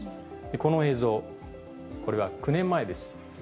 この映像、これは９年前です。